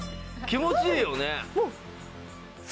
気持ちいいよね？